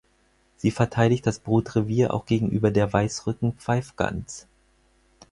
Sie verteidigt das Brutrevier auch gegenüber der Weißrücken-Pfeifgans.